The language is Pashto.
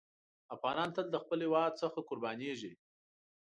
افغانان تل د خپل هېواد څخه قربانېږي.